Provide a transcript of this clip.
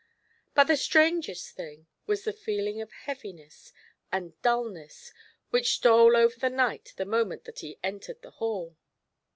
But the strangest thing was the feeling of heaviness and dulness which stole over the knight the moment that he entered the hall.